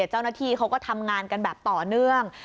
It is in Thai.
เจ้าหน้าที่เขาก็ทำงานกันแบบต่อเนื่อง